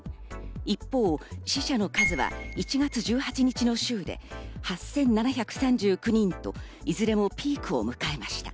一方、死者の数は１月１８日の週で８７３９人と、いずれもピークを迎えました。